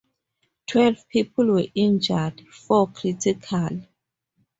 Twelve people were injured; four critically.